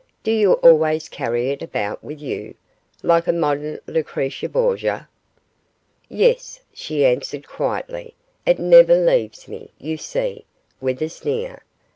'Do you always carry it about with you, like a modern Lucrezia Borgia?' 'Yes,' she answered quietly; 'it never leaves me, you see,' with a sneer.